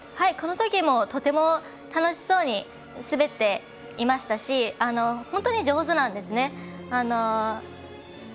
このときもとても楽しそうに滑っていましたし本当に上手なんですね。